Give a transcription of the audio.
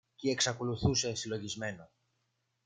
κι εξακολούθησε συλλογισμένο